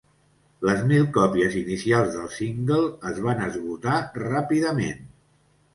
Les mil còpies inicials del single es van esgotar ràpidament.